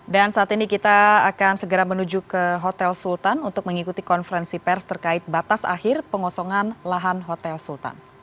dan saat ini kita akan segera menuju ke hotel sultan untuk mengikuti konferensi pers terkait batas akhir pengosongan lahan hotel sultan